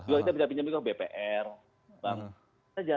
kita bisa pinjam juga bpr bank saja